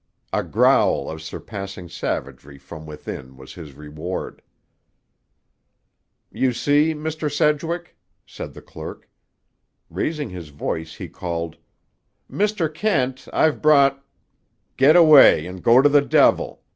A growl of surpassing savagery from within was his reward. "You see, Mr. Sedgwick," said the clerk. Raising his voice he called, "Mr. Kent, I've brought—" "Get away and go to the devil!"